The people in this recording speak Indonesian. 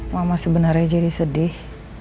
mama sebenarnya jadi sedih